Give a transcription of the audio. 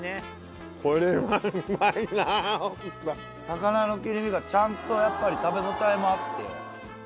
魚の切り身がちゃんとやっぱり食べ応えもあって。